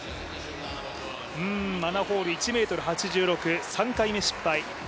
アナ・ホール１ｍ８６、３回目失敗。